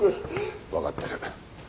分かってる。